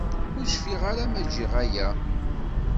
Ur cfiɣ ara ma giɣ aya.